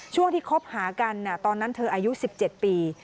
ช่วงที่คบหากันตอนนั้นเธออายุ๑๗ปี